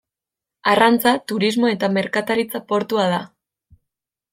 Arrantza, turismo eta merkataritza portua da.